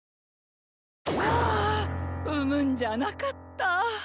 あ産むんじゃなかった。